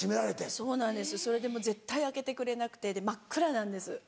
そうなんですそれでもう絶対開けてくれなくてで真っ暗なんです。